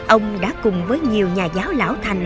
ông đã cùng với nhiều nhà giáo lão thành